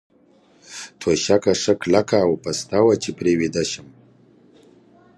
توشکه ښه کلکه او پسته وه، چې پرې ویده شم.